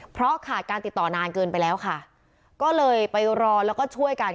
เพราะขาดการติดต่อนานเกินไปแล้วค่ะก็เลยไปรอแล้วก็ช่วยกัน